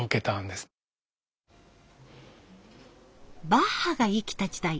バッハが生きた時代